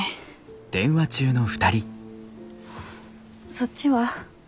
そっちは？